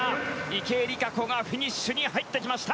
池江璃花子がフィニッシュに入ってきました。